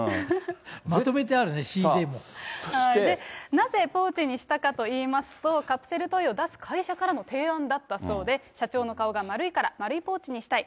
なぜポーチにしたかといいますと、カプセルトイを出す会社からの提案だったそうで、社長の顔が丸いから、丸いポーチにしたい。